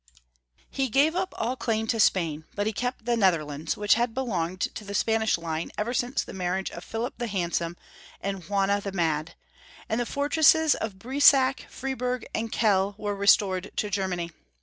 He gave up all claim to Spain, but he kept the Netherlands, which had belonged to the Spanish line ever since the marriage of Philip the Handsome and Juana the Mad, and the for tresses of Breisach, Friburg, and Kehl were restored to Germany.